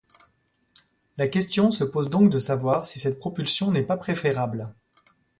La question se pose donc de savoir si cette propulsion n'est pas préférable.